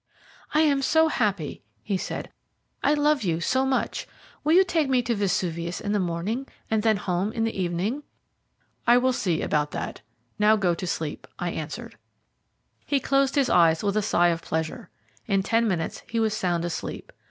"I am so happy," he said, "I love you so much. Will you take me to Vesuvius in the morning, and then home in the evening?" "I will see about that. Now go to sleep," I answered. He closed his eyes with a sigh of pleasure. In ten minutes he was sound asleep.